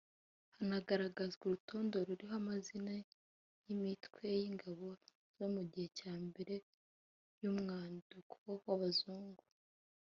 Hanagaragazwa urutonde ruriho amazina y’imitwe y’ingabo zo mu gihe cya mbere y’umwaduko w’abazungu